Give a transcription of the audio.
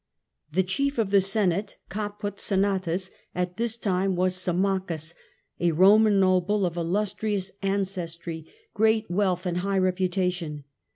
The Chief of the Senate {Caput Senatus) at this Boethius ime was Symmachus, a Roman noble of illustrious ncestry, great wealth and high reputation.